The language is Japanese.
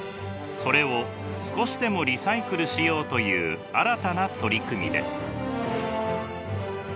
それを少しでもリサイクルしようという新たな取り組みです。